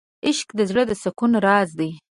عشق د زړه د سکون راز دی.